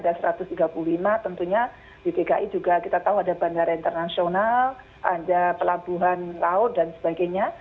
ada satu ratus tiga puluh lima tentunya di dki juga kita tahu ada bandara internasional ada pelabuhan laut dan sebagainya